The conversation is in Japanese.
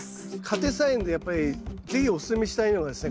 家庭菜園でやっぱり是非おすすめしたいのがですね